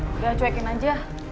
jangan cuekin aja